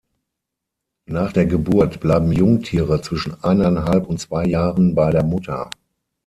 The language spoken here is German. Nach der Geburt bleiben Jungtiere zwischen eineinhalb und zwei Jahren bei der Mutter.